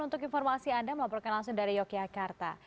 untuk informasi anda melaporkan langsung dari yogyakarta